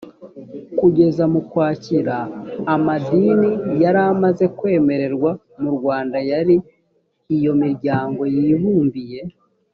kugeza mu ukwakira amadini yari amaze kwemerwa mu rwanda yari iyo miryango yibumbiye